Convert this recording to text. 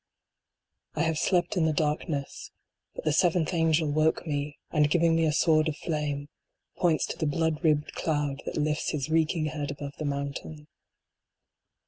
I have slept in the darkness But the seventh angel woke me, and giving me a sword of flame, points to the blood ribbed cloud, that lifts his reeking head above the mountain.